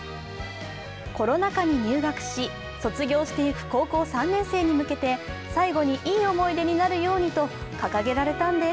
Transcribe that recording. コロナ禍に入学し卒業していく高校３年生に向けて最後にいい思い出になるようにと掲げられたんです。